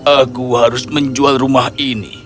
aku harus menjual rumah ini